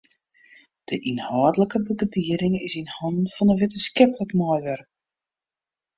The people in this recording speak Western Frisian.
De ynhâldlike begelieding is yn hannen fan in wittenskiplik meiwurker.